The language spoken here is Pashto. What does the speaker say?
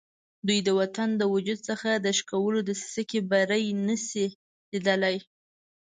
دوی د وطن د وجود څخه د شکولو دسیسه کې بری نه شي لیدلای.